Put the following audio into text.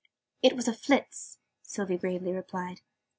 "It was a Phlizz," Sylvie gravely replied.